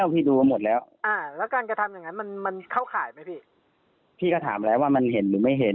พี่ก็ถามแล้วว่ามันเห็นหรือไม่เห็น